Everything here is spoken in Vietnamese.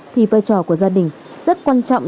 thì vai trò của gia đình rất quan trọng